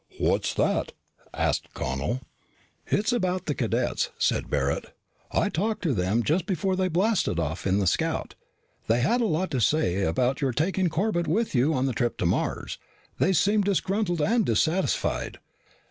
"What's that?" asked Connel. "It's about the cadets," said Barret. "I talked to them just before they blasted off in the scout. They had a lot to say about your taking Corbett with you on the trip to Mars. They seemed disgruntled and dissatisfied."